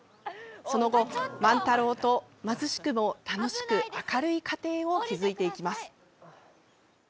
その後、万太郎と貧しくも楽しく明るい家庭を築いていきます。